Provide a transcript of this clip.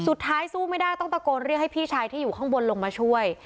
สู้ไม่ได้ต้องตะโกนเรียกให้พี่ชายที่อยู่ข้างบนลงมาช่วย